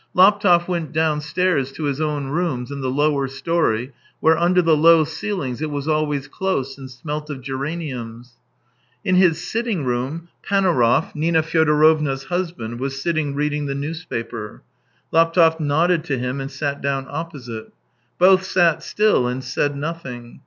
Laptev went downstairs to his own rooms in the lower storey, where under the low ceilings it was always close and smelt of geraniums. In his sitting room, Panaurov, Nina Fyodorovna's husband, was sitting reading the newspaper. Laptev nodded to him and sat down opposite. Both sat still and said nothing.